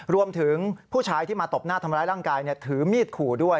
รวมถึงผู้ชายที่มาตบหน้าทำร้ายร่างกายถือมีดขู่ด้วย